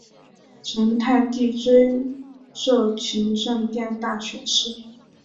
成泰帝追授勤政殿大学士。